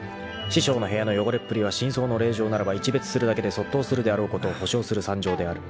［師匠の部屋の汚れっぷりは深窓の令嬢ならば一瞥するだけで卒倒するであろうことを保証する惨状である］